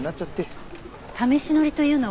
試し乗りというのは？